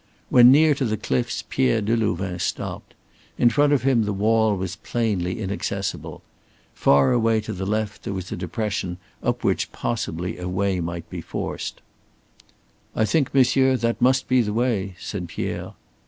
When near to the cliffs Pierre Delouvain stopped. In front of him the wall was plainly inaccessible. Far away to the left there was a depression up which possibly a way might be forced. "I think, monsieur, that must be the way," said Pierre.